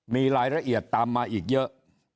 มีรายละเอียดตามมาอีกเยอะ